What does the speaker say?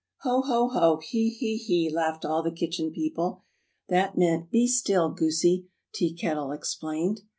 "Ho, ho, ho, hee hee hee!" laughed all the Kitchen People. "That meant, 'Be still,' Goosie," Tea Kettle explained.